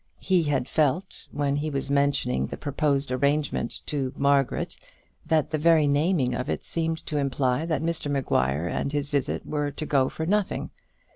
He had felt, when he was mentioning the proposed arrangement to Margaret, that the very naming of it seemed to imply that Mr Maguire and his visit were to go for nothing.